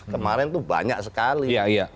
kemarin itu banyak sekali